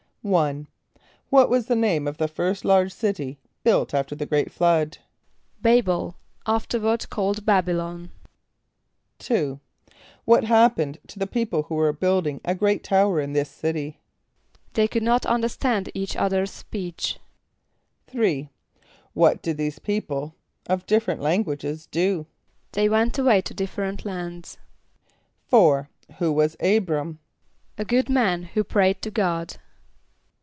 =1.= What was the name of the first large city built after the great flood? =B[=a]´bel, afterward called B[)a]b´[)y] lon.= =2.= What happened to the people who were building a great tower in this city? =They could not understand each other's speech.= =3.= What did these people of different languages do? =They went away to different lands.= =4.= Who was [=A]´br[)a]m? =A good man, who prayed to God.